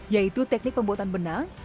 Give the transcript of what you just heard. yaitu teknik pembuatan benang